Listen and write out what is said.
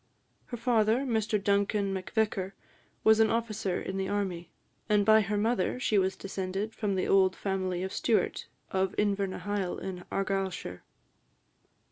Her father, Mr Duncan Macvicar, was an officer in the army, and, by her mother, she was descended from the old family of Stewart, of Invernahyle, in Argyllshire.